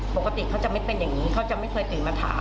ปกติเขาจะไม่เป็นอย่างนี้เขาจะไม่เคยตื่นมาถาม